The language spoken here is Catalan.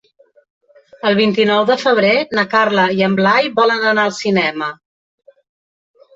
El vint-i-nou de febrer na Carla i en Blai volen anar al cinema.